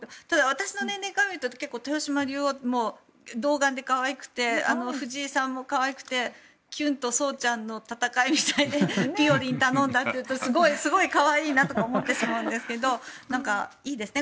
私の年齢から見ると豊島竜王も童顔で可愛くて藤井さんも可愛くてきゅんとそうちゃんの戦いみたいでぴよりん頼んだというとすごい可愛いなとか思ってしまうんですけどなんかいいですね